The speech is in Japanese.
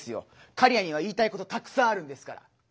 かりやには言いたいことたくさんあるんですから。